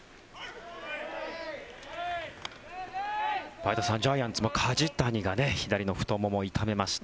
前田さん、ジャイアンツも梶谷が左の太ももを痛めました。